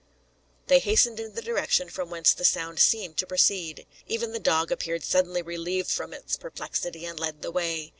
They hastened in the direction from whence the sound seemed to proceed. Even the dog appeared suddenly relieved from its perplexity, and led the way.